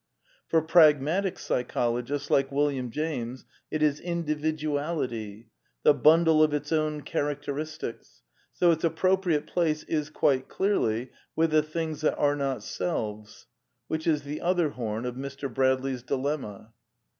or pragmatic psychologists like William James it is Individuality, the bundle of its own characteristics ; so its appropriate place is, quite clearly, with the things that are '\ not selves. Which is the other horn of Mr. Bradley^s dilemma.